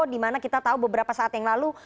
dimana kita tahu beberapa saat yang lalu